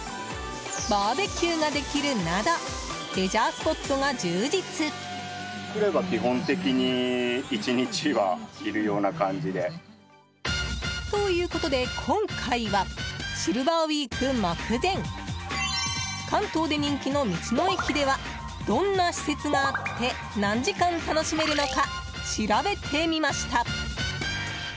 バーベキューができるなどレジャースポットが充実。ということで、今回はシルバーウィーク目前関東で人気の道の駅ではどんな施設があって何時間楽しめるのか調べてみました。